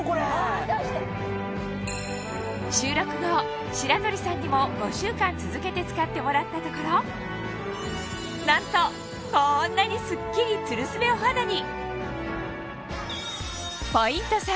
収録後白鳥さんにも５週間続けて使ってもらったところなんとこんなにスッキリツルスベお肌に！